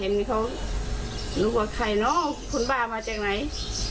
เห็นนี่เขารู้ว่าใครเนอะผลบ้านมาจากไหน